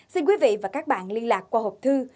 xin quý vị và các bạn liên lạc qua hộp thư